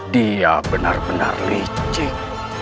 dia benar benar licik